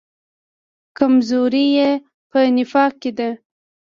کمزوري یې په نفاق کې ده.